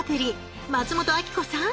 松本明子さん